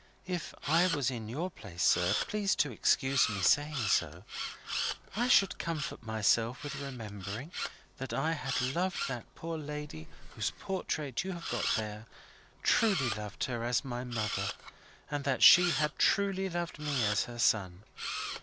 If I was in your place, sir please to excuse my saying so I should comfort myself with remembering that I had loved that poor lady whose portrait you have got there truly loved her as my mother, and that she had truly loved me as her son.